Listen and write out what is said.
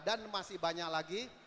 dan masih banyak lagi